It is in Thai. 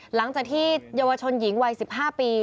หลังจากที่เยาวชนหญิงวัย๑๕ปี